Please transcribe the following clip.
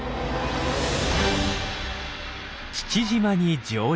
父島に上陸。